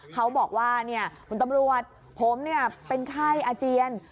เขาบอกว่าคุณตำรวจผมเป็นไข้อาเจียน